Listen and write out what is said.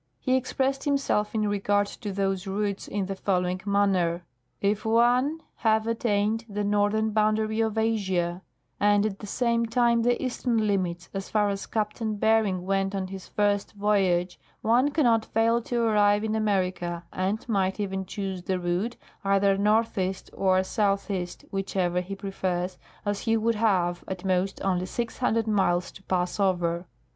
He expressed himself in regard to those routes in the following manner :' If one have attained the northern bound ary of Asia, and at the same time the eastern limits, as far as Captain Ber ing went on his first voyage, one cannot fail to arrive in America, and might even choose the route, either northeast or southeast, whichever he prefers, as he would have, at most, only 600 miles to pass over.